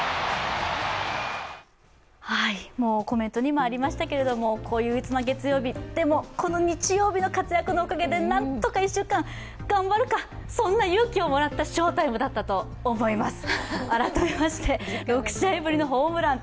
コメントにもありましたけれども、憂鬱な月曜日、でも、この日曜日の活躍のおかげで何とか１週間、頑張るか、そんな勇気をもらった翔タイムだったと思います。